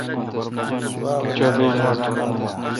چو بی نوٹ۔